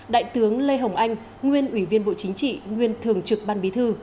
đại tướng lê hồng anh nguyên ủy viên bộ chính trị nguyên thường trực ban bí thư